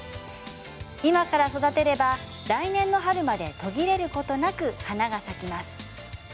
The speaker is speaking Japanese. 今から育てれば、来年の春まで途切れることなく花が咲きます。